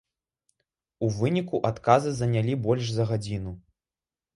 У выніку адказы занялі больш за гадзіну.